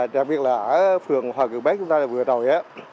đặc biệt là ở phường hòa cường bắc chúng ta vừa rồi